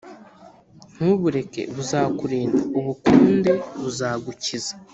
ntubureke buzakurinda, ubukunde buzagukiza